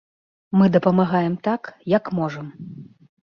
Мы дапамагаем так, як можам.